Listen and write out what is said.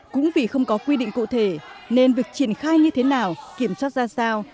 cũng vì không có quy định cụ thể nên việc triển khai như thế nào kiểm soát ra sao